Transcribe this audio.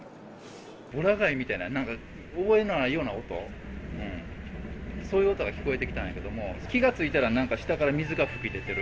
ホラ貝みたいな、なんか覚えのないような音、そういう音が聞こえてきたんやけど、気が付いたら、なんか下から水が噴き出てる。